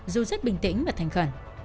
dù rất bình tĩnh và thành khẩn